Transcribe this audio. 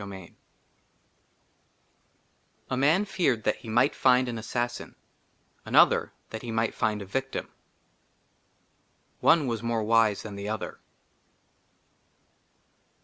6l LVI A MAN FEARED THAT HE MIGHT FIND AN ASSASSIN ; ANOTHER THAT HE MIGHT FIND A VICTIM. ONE WAS MORE WISE THAN THE OTHER.